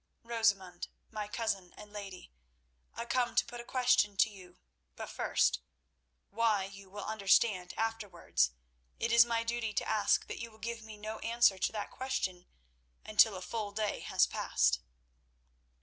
"Rosamund, my cousin and lady, I come to put a question to you, but first—why you will understand afterwards—it is my duty to ask that you will give me no answer to that question until a full day has passed."